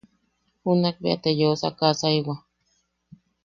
Junakbeate yeusakasaewa.